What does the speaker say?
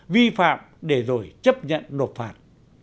vi phạm để rồi chấp nhận nộp phạt